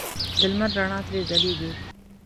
د لمر رڼا ترې ځلېږي.